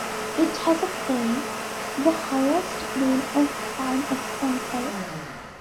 Each has a cairn, the highest being a fine example.